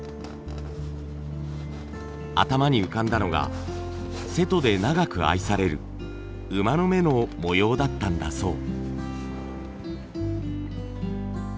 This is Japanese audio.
頭に浮かんだのが瀬戸で長く愛される馬の目の模様だったんだそう。